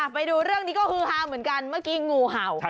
ไปดูเรื่องนี้ก็คือฮาเหมือนกันเมื่อกี้งูเห่า